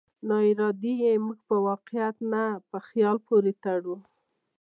ناارادي يې موږ په واقعيت نه، په خيال پورې تړو.